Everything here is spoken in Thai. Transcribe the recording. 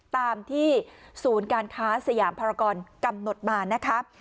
ตามที่ศูนย์การค้าสยามภารกรกำหนดมานะคะ